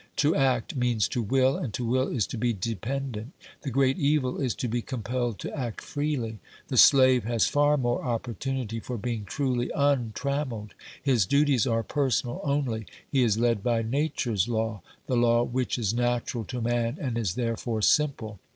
To act means to will, and to will is to be dependent. The great evil is to be compelled to act freely. The slave has far more oppor tunity for being truly untrammelled. His duties are personal only; he is led by Nature's law, the law which is natural to man and is therefore simple.